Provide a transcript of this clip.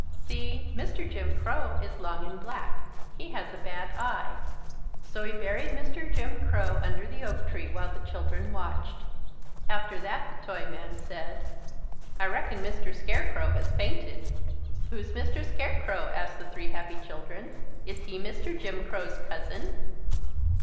"See, Mr. Jim Crow is long and black. He has a bad eye." So he buried Mr. Jim Crow under the oak tree while the children watched. After that the Toyman said: "I reckon Mr. Scarecrow has fainted." "Who's Mr. Scarecrow?" asked the three happy children. "Is he Mr. Jim Crow's cousin?"